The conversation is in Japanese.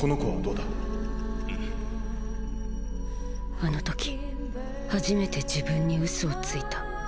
あの時初めて自分に嘘をついた。